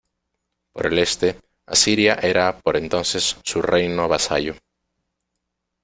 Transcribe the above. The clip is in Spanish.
Por el este, Asiria era por entonces su reino vasallo.